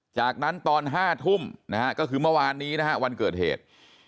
จากนั้นตอน๕ทุ่มนะฮะก็คือเมื่อวานนี้นะฮะวันเกิดเหตุ